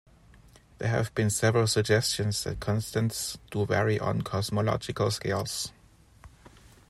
There have been several suggestions that "constants" do vary on cosmological scales.